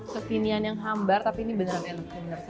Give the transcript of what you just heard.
kekinian yang hambar tapi ini benar enak